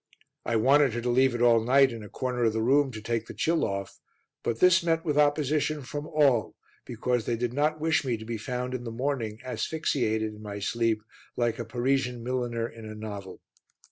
I wanted her to leave it all night in a corner of the room to take the chill off, but this met with opposition from all because they did not wish me to be found in the morning asphyxiated in my sleep like a Parisian milliner in a novel.